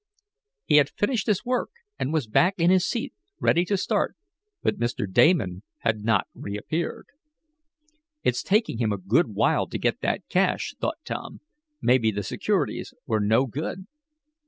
He had finished his work, and was back in his seat, ready to start, but Mr. Damon had not reappeared. "It's taking him a good while to get that cash," thought Tom. "Maybe the securities were no good."